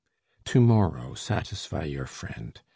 To morrow satisfy your friend.